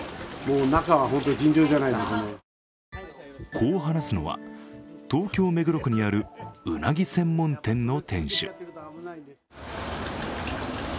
こう話すのは、東京・目黒区にあるうなぎ専門店の店主。